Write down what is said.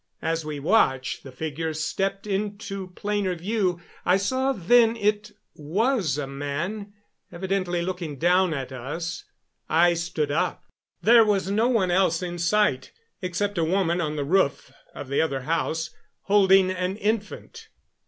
As we watched the figure stepped into plainer view. I saw then it was a man, evidently looking down at us. I stood up. There was no one else in sight except a woman on the roof of the other house holding an infant.